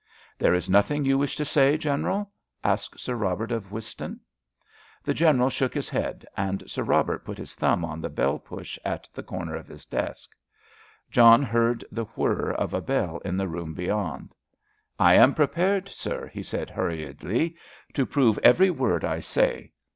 "There is nothing you wish to say, General?" asked Sir Robert of Whiston. The General shook his head, and Sir Robert put his thumb on the bell push at the corner of his desk. John heard the whirr of a bell in the room beyond. "I am prepared, sir," he said hurriedly, "to prove every word I say.